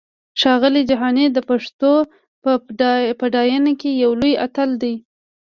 ښاغلی جهاني د پښتو په پډاینه کې یو لوی اتل دی!